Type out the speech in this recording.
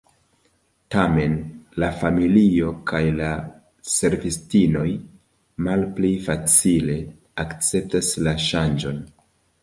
Tamen, la familio kaj la servistinoj malpli facile akceptas la ŝanĝon.